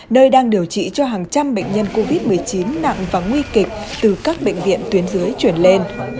nơi đang điều trị cho hàng trăm bệnh nhân covid một mươi chín nặng và nguy kịch từ các bệnh viện tuyến dưới chuyển lên